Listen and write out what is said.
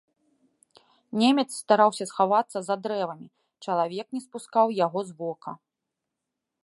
Немец стараўся схавацца за дрэвамі, чалавек не спускаў яго з вока.